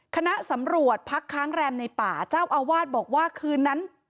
คณะสำรวจพักค้างแรมในป่าเจ้าอาวาสบอกว่าคืนนั้น